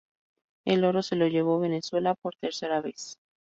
El oro se lo llevó Venezuela por tercera vez.